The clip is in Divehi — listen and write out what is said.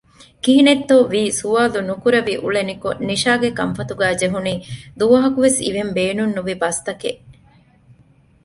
ކިހިނެތްވީތޯ ސުވާލު ނުކުރެވި އުޅެނިކޮށް ނިޝާގެ ކަންފަތުގައި ޖެހުނީ ދުވަހަކުވެސް އިވެން ބޭނުން ނުވި ބަސްތަކެއް